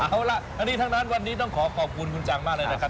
เอาล่ะทั้งนี้ทั้งนั้นวันนี้ต้องขอขอบคุณคุณจังมากเลยนะครับ